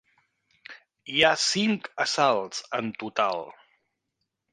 Hi ha cinc assalts en total.